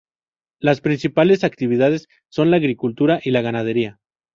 Las principales actividades son la agricultura y la ganadería.